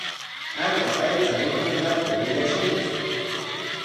Allqu aycha mikunqanta willashunku.